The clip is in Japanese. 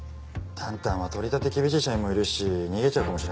タンタンは取り立て厳しい社員もいるし逃げちゃうかもしれませんね。